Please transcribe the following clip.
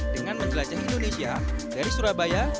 dengan menjelajah indonesia dari surabaya